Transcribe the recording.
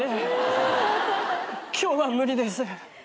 今日は無理です。